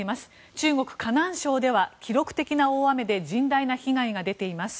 中国・河南省では記録的な大雨で甚大な被害が出ています。